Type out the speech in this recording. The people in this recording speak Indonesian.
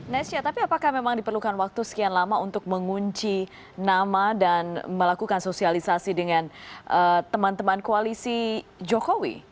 nesya tapi apakah memang diperlukan waktu sekian lama untuk mengunci nama dan melakukan sosialisasi dengan teman teman koalisi jokowi